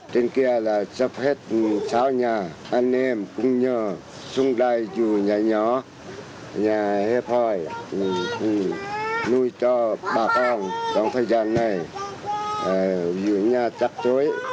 trên kia là sắp hết sáu nhà anh em cũng nhờ xuống đây dù nhà nhỏ nhà hếp hội nuôi cho bà con trong thời gian này dù nhà chắc chối